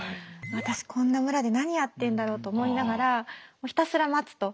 私こんな村で何やってんだろうと思いながらひたすら待つと。